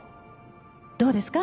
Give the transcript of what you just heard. どうですか？